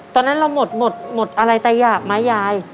ตอนนั้นเราหมดหมดอะไรแต่อยากไหมยาย